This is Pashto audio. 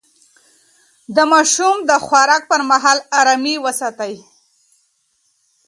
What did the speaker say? د ماشوم د خوراک پر مهال ارامي وساتئ.